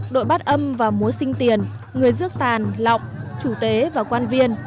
đội bát âm và múa sinh tiền người rước tàn lọng chủ tế và quan viên